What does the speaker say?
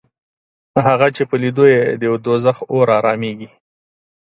هغه چې په لیدو یې د دوزخ اور حرامېږي